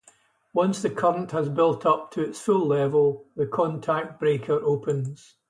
Once the current has built up to its full level, the contact breaker opens.